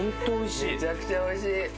めちゃくちゃおいしい。